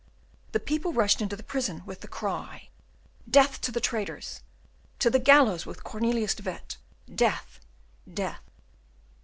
The people rushed into the prison, with the cry "Death to the traitors! To the gallows with Cornelius de Witt! Death! death!"